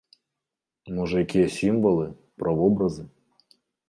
Можа якія сімвалы, правобразы?